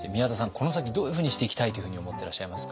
この先どういうふうにしていきたいというふうに思ってらっしゃいますか？